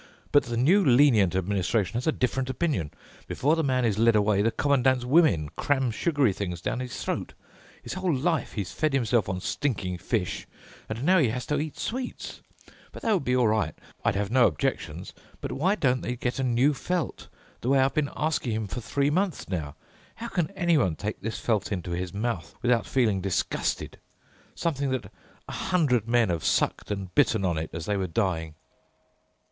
But the new lenient administration has a different opinion. Before the man is led away, the Commandant's women cram sugary things down his throat. His whole life he's fed himself on stinking fish, and now he has to eat sweets! But that would be all right—I'd have no objections—but why don't they get a new felt, the way I've been asking him for three months now? How can anyone take this felt into his mouth without feeling disgusted—something that a hundred man have sucked and bitten on it as they were dying?"